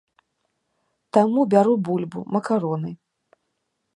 Таму бяру бульбу, макароны.